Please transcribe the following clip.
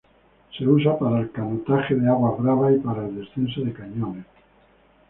Se usa para el canotaje de aguas bravas y para el descenso de cañones.